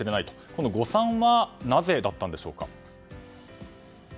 この誤算はなぜだったんでしょうか？